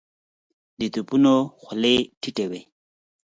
د توپونو خولې ټيټې وې.